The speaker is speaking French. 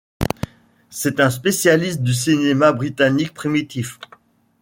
C'est un spécialiste du cinéma britannique primitif.